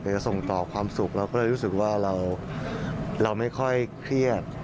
จะส่งต่อความสุขเราก็เลยรู้สึกว่าเราไม่ค่อยเครียด